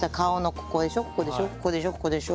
ここでしょここでしょ。